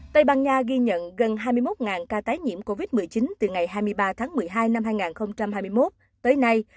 tây ban nha ghi nhận gần hai mươi một ca tái nhiễm covid một mươi chín từ ngày hai mươi ba tháng một mươi hai năm hai nghìn hai mươi một tới nay